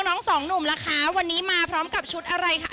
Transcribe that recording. สองหนุ่มล่ะคะวันนี้มาพร้อมกับชุดอะไรคะ